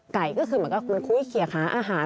ไก่ก็คือเหมือนกับมันคุ้ยเขียขาอาหาร